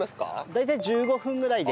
大体１５分ぐらいで。